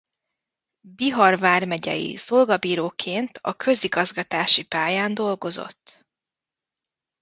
Bihar vármegyei szolgabíróként a közigazgatási pályán dolgozott.